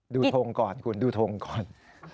ทงก่อนคุณดูทงก่อน